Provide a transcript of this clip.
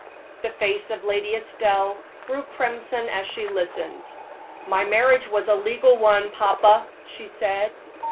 The face of Lady Estelle grew crimson as she listened. "My marriage was a legal one, papa," she said.